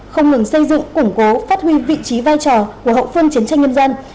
không ngừng xây dựng củng cố phát huy vị trí vai trò của hậu phương chiến tranh nhân dân